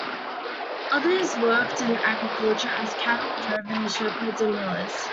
Others worked in agriculture, as cattle drovers, shepherds and millers.